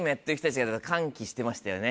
してましたよね。